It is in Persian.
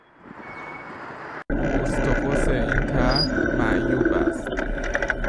اسطقس این طرح معیوب است.